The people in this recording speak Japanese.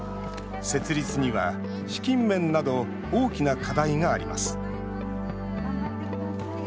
設立には、資金面など大きな課題があります。